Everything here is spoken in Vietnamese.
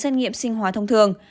xét nghiệm sinh hóa thông thường